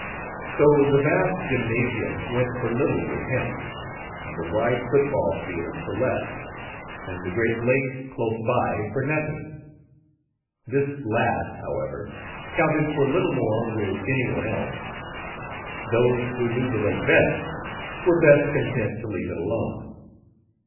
So the vast gymnasium went for little with him, and the wide football field for less, and the great lake, close by, for nothing. This last, however, counted for little more with any one else. Those who knew the lake best were best content to leave it alone.